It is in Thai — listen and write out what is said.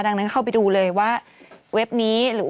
ดังนั้นเข้าไปดูเลยว่าเว็บนี้หรือ